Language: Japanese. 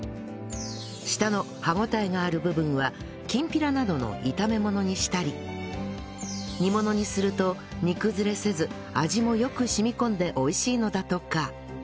下の歯応えがある部分はきんぴらなどの炒め物にしたり煮物にすると煮崩れせず味もよく染み込んで美味しいのだとか